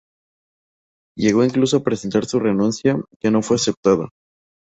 Llegó incluso a presentar su renuncia, que no fue aceptada.